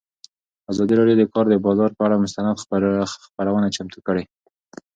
ازادي راډیو د د کار بازار پر اړه مستند خپرونه چمتو کړې.